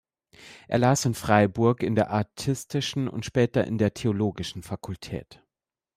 Er las in Freiburg in der artistischen und später in der theologischen Fakultät.